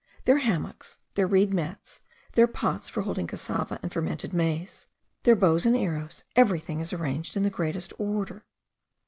Their hammocks, their reed mats, their pots for holding cassava and fermented maize, their bows and arrows, everything is arranged in the greatest order.